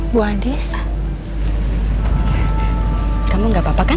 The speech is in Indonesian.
bu hadis kamu gak apa apa kan